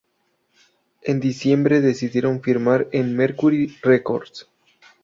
En diciembre decidieron firmar en Mercury Records.